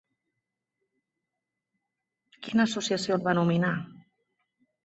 Quina associació el va nominar?